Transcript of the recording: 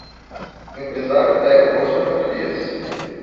Empresário pega boas mercadorias